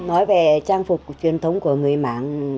nói về trang phục truyền thống của người mảng